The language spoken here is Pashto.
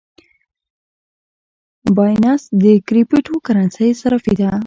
بایننس د کریپټو کرنسۍ صرافي ده